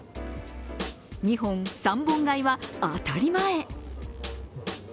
２本、３本買いは当たり前。